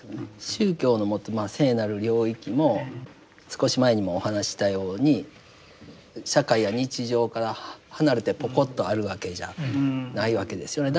宗教の持つ聖なる領域も少し前にもお話ししたように社会や日常から離れてポコッとあるわけじゃないわけですよね。